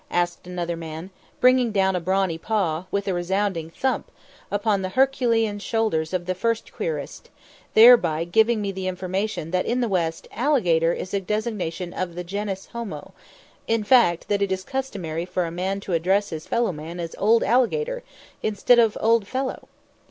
asked another man, bringing down a brawny paw, with a resounding thump, upon the Herculean shoulders of the first querist, thereby giving me the information that in the West alligator is a designation of the genus homo; in fact, that it is customary for a man to address his fellow man as "old alligator," instead of "old fellow."